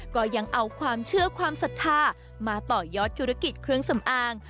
ก็ยังเอาความเชื่อความศรัทธามาต่อยอดธุรกิจเครื่องสำอาง